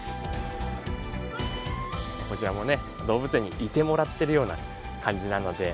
こちらも動物園にいてもらってるような感じなので。